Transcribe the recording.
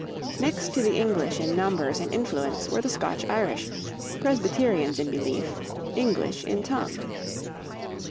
= Next to the English in numbers and influence were the Scotch Irish, Presbyterians in belief, English in tongue.